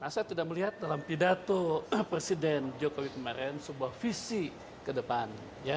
saya tidak melihat dalam pidato presiden jokowi kemarin sebuah visi ke depan